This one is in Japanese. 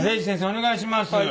お願いします。